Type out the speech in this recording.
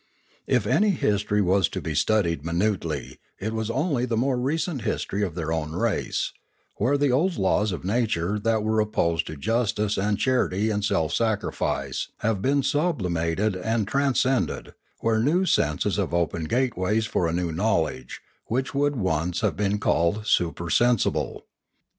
If any history was to be studied minutely, it was only the more recent history of their own race, where the old laws of nature that were opposed to justice and char ity and self sacrifice have been sublimated and trans cended, where new senses have opened gateways for a new knowledge which would once have been called su persensible.